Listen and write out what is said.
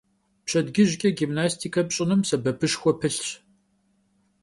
Pşedcıjç'e gimnastike pş'ınım sebepışşxue pılhş.